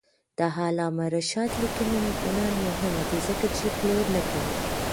د علامه رشاد لیکنی هنر مهم دی ځکه چې پلور نه کوي.